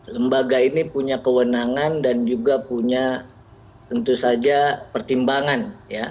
lembaga ini punya kewenangan dan juga punya tentu saja pertimbangan